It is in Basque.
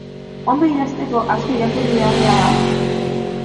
Ondo idazteko, asko irakurri behar da?